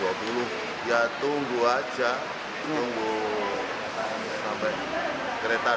harus kita tunggu ternyata akhirnya harus kita mundur sampai dengan hari besok